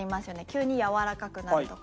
急にやわらかくなる所。